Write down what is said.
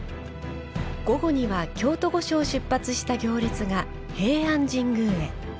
午後には、京都御所を出発した行列が平安神宮へ。